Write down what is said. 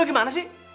lepas gimana sih